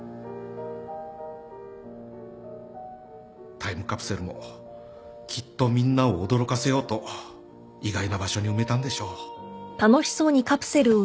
タイムカプセルもきっとみんなを驚かせようと意外な場所に埋めたんでしょう。